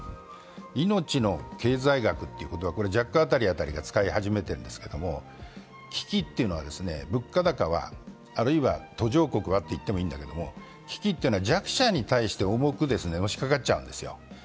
生命の経済学というのはジャック・アタリ辺りが使い始めてるんですけど、危機というのは、物価高は、あるいは途上国はと言ってもいいんだけど危機というのは弱者に対して重くのしかかってくるわけですよ。